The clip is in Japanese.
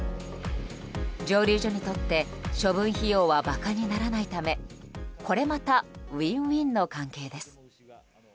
蒸留所にとって処分費用は馬鹿にならないためこれまたウィンウィンの関係です。